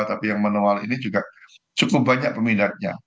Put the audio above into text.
tapi yang manual ini juga cukup banyak peminatnya